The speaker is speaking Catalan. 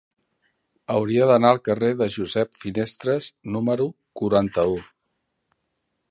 Hauria d'anar al carrer de Josep Finestres número quaranta-u.